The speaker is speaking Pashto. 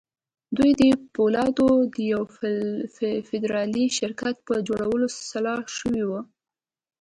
دوی د پولادو د يوه فدرالي شرکت پر جوړولو سلا شوي وو.